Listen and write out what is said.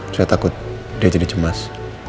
saya takut dia jadi cemas